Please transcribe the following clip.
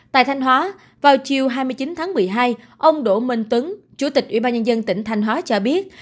tại thanh hóa vào chiều hai mươi chín tháng một mươi hai ông đỗ minh tuấn chủ tịch ủy ban nhân dân tỉnh thanh hóa cho biết